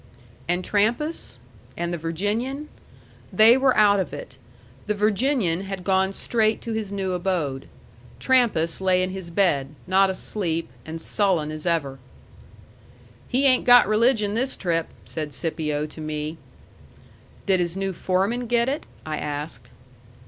And Trampas? And the Virginian? They were out of it. The Virginian had gone straight to his new abode. Trampas lay in his bed, not asleep, and sullen as ever. "He ain't got religion this trip," said Scipio to me. "Did his new foreman get it?" I asked.